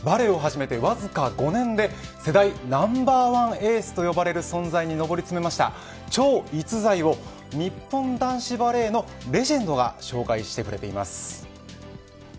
バレーを始めてわずか５年で世代ナンバーワンエースといわれる存在にのぼり詰めた超逸材を日本男子バレーのレジェンドが紹介してくれています。